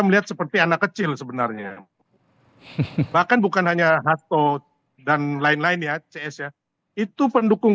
melihat seperti anak kecil sebenarnya bahkan bukan hanya hatto dan lain lain ya cs ya itu pendukung